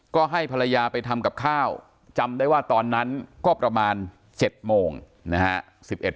ก็ให้ภรรยาไปทำกับข้าวจำได้ว่าตอนนั้นก็ประมาณ๗โมงนะฮะ